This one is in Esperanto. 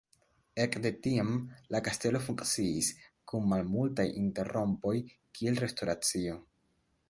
Ekde tiam la kastelo funkciis, kun malmultaj interrompoj, kiel restoracio.